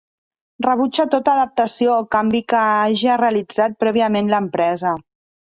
Rebutge tota adaptació o canvi que haja realitzat prèviament l'empresa.